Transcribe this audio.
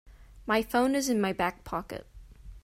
My phone is in my back pocket.